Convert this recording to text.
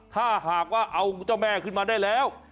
ถ้าหากว่าเอาเจ้าแม่ขึ้นมาได้แล้ว